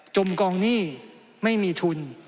จมกองหนี้ไม่มีทุน